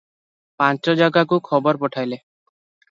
ପାଞ୍ଚ ଜାଗାକୁ ଖବର ପଠାଇଲେ ।